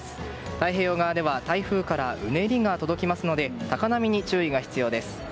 太平洋側では台風からうねりが届きますので高波に注意が必要です。